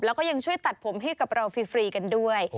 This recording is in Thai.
แล้วก็ยังช่วยตัดผมให้กับเราฟรีกันด้วย